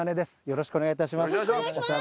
よろしくお願いします！